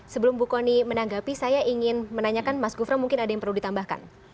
sebelum bu kony menanggapi saya ingin menanyakan mas gufro mungkin ada yang perlu ditambahkan